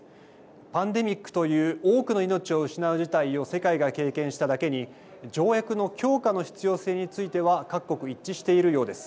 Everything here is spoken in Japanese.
パンデミックという多くの命を失う事態を世界が経験しただけに条約の強化の必要性については各国一致しているようです。